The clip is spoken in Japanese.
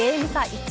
１。